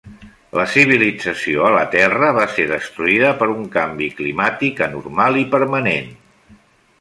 La civilització a la Terra va ser destruïda per un canvi climàtic anormal i permanent.